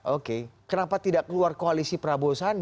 oke kenapa tidak keluar koalisi prabowo sandi